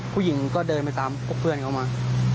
ผู้หญิงก็เดินไปตามพวกเพื่อนเขามา